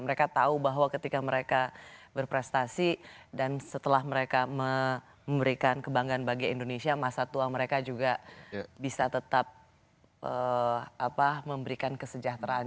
mereka tahu bahwa ketika mereka berprestasi dan setelah mereka memberikan kebanggaan bagi indonesia masa tua mereka juga bisa tetap memberikan kesejahteraan